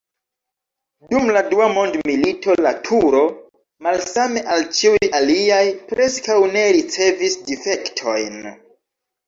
Dum la Dua mondmilito la turo, malsame al ĉiuj aliaj, preskaŭ ne ricevis difektojn.